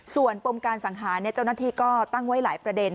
ส่วนปมการสังหารเจ้าหน้าที่ก็ตั้งไว้หลายประเด็น